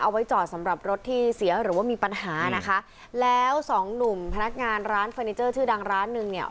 เอาไว้จอดสำหรับรถที่เสียหรือว่ามีปัญหานะคะแล้วสองหนุ่มพนักงานร้านเฟอร์นิเจอร์ชื่อดังร้านหนึ่งเนี่ย